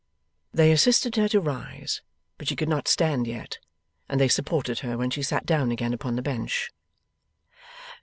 They assisted her to rise, but she could not stand yet, and they supported her when she sat down again upon the bench.